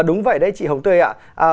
đúng vậy đấy chị hồng tươi ạ